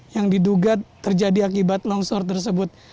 yang diduga terjadi akibat longsor tersebut